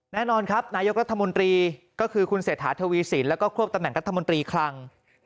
แน่นอนครับนายกรัฐมนตรีก็คือคุณเศรษฐาทวีสินแล้วก็ควบตำแหน่งรัฐมนตรีคลัง